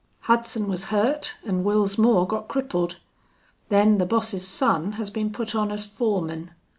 Hudson was hurt an' Wils Moore got crippled. Then the boss's son has been put on as foreman.